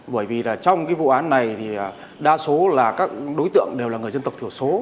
bởi vì trong vụ án này đa số đối tượng đều là người dân tộc thiểu số